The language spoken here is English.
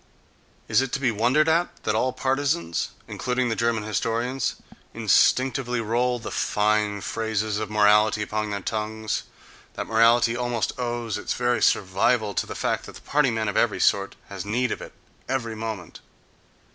Is it to be wondered at that all partisans, including the German historians, instinctively roll the fine phrases of morality upon their tongues—that morality almost owes its very survival to the fact that the party man of every sort has need of it every moment?